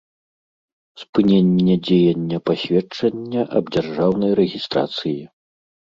Спыненне дзеяння пасведчання аб дзяржаўнай рэгiстрацыi